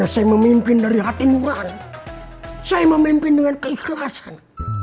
saya memimpin dengan keikhlasan